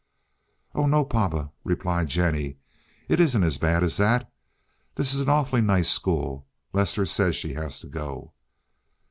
"Oh no, papa," replied Jennie. "It isn't as bad as that. This is an awful nice school. Lester says she has to go."